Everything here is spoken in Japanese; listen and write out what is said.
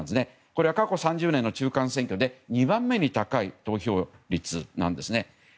これは過去３０年の中間選挙で２番目に高い投票率なんですね。